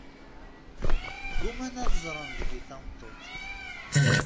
Gguman ad ẓẓren deg-i tameṭṭut.